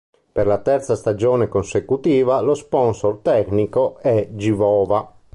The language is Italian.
Per la terza stagione consecutiva lo sponsor tecnico è Givova.